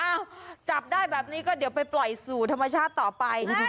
จับได้แบบนี้ก็เดี๋ยวไปปล่อยสู่ธรรมชาติต่อไป